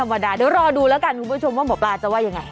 เวลาเดี๋ยวรอดูแล้วกันคุณผู้ชมว่าหมอปลาจะว่ายังไง